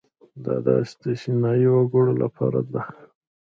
دا د استثنايي وګړو لپاره ده.